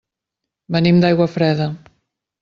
Venim d'Aiguafreda.